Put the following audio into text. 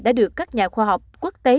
đã được các nhà khoa học quốc tế